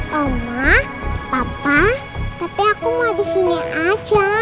mama papa tapi aku mau disini aja